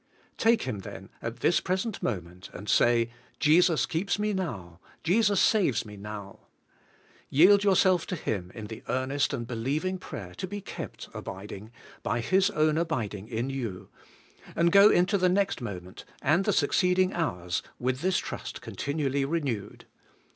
Take Him then at this present moment, and say, 'Jesus keeps me now, Jesus saves me now.' Yield yourself to Him in the earnest and believing prayer to be kept abiding, by His own abiding in you, — and go into the next moment, and the succeed ing hours, with this trust continually renewed.